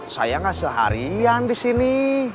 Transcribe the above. saya nggak seharian di sini